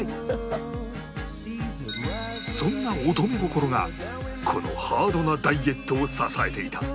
そんな乙女心がこのハードなダイエットを支えていた